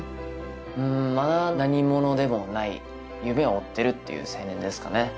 うーんまだ何者でもない夢を追ってるっていう青年ですかね